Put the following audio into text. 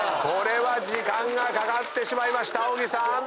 これは時間がかかってしまいました小木さん。